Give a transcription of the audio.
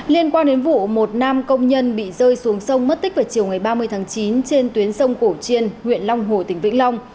liên quan đến vụ một nam công nhân bị rơi xuống sông mất tích vào chiều ngày ba mươi tháng chín trên tuyến sông cổ chiên huyện long hồ tỉnh vĩnh long